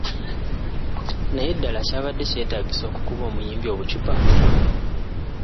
Naye ddala kyabadde kyetaagisa okukuba omuyimbi obucupa?